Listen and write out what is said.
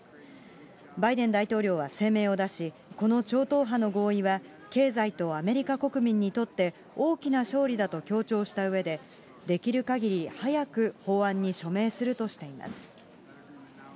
バイデン大統領は声明を出し、この超党派の合意は、経済とアメリカ国民にとって大きな勝利だと強調したうえで、できるかぎり早く法案に署名するとしています。